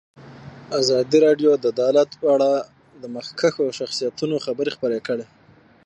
ازادي راډیو د عدالت په اړه د مخکښو شخصیتونو خبرې خپرې کړي.